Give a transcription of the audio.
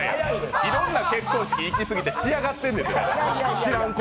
いろんな結婚式行きすぎて仕上がってんねん。